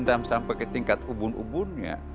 dendam sampai ke tingkat ubun ubunnya